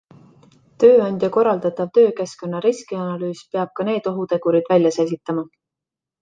Tööandja korraldatav töökeskkonna riskianalüüs peab ka need ohutegurid välja selgitama.